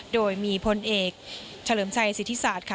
โดยมีพลเอกเฉลิมชัยสิทธิศาสตร์ค่ะ